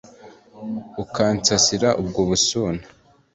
Ukansasira ubwo busuna